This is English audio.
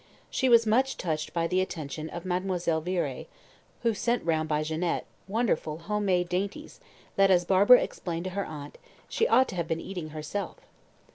She was much touched by the attention of Mademoiselle Viré, who sent round by Jeannette wonderful home made dainties that, as Barbara explained to her aunt, "she ought to have been eating herself."